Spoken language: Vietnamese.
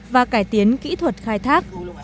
và cải tiến kỹ thuật khai thác